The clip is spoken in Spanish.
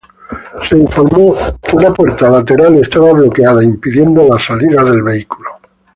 Se informó que una puerta lateral estaba bloqueada, impidiendo la salida del vehículo.